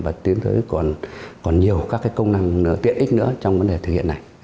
và tiến tới còn nhiều các công năng tiện ích nữa trong vấn đề thực hiện này